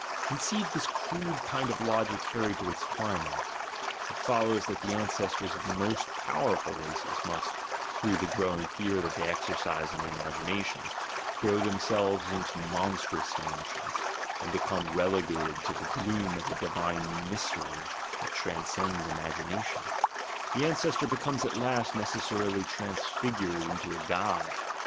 Conceive this crude kind of logic carried to its climax: it follows that the ancestors of the most powerful races must, through the growing fear that they exercise on the imagi nations, grow themselves into monstrous dimensions, and become relegated to the gloom of a divine mystery that transcends imagination — the ancestor becomes at last necessarily transfigured into a god.